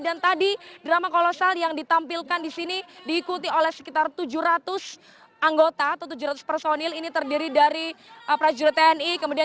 tadi drama kolosal yang ditampilkan di sini diikuti oleh sekitar tujuh ratus anggota atau tujuh ratus personil ini terdiri dari prajurit tni